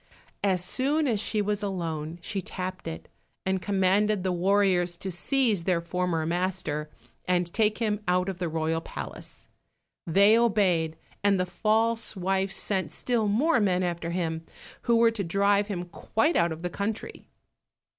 As soon as she was alone she tapped it, and commanded the warriors to seize their former master, and take him out of the royal palace. They obeyed, and the false wife sent still more men after him, who were to drive him quite out of the country.